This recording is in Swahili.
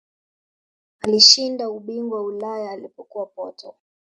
alishinda ubingwa wa ulaya alipokuwa porto